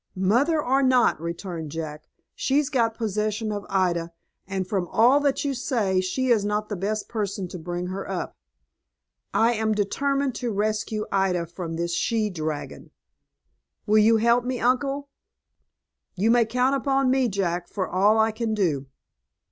"Mother, or not," returned Jack, "she's got possession of Ida; and, from all that you say, she is not the best person to bring her up. I am determined to rescue Ida from this she dragon. Will you help me, uncle?" "You may count upon me, Jack, for all I can do."